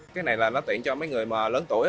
cái này là nó tiện cho mấy người mà lớn tuổi